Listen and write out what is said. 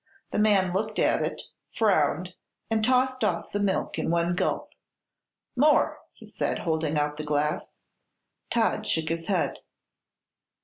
The man looked at it, frowned, and tossed off the milk in one gulp. "More!" he said, holding out the glass. Todd shook his head.